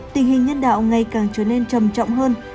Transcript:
tình hình nhân đạo ngày càng trở nên trầm trọng hơn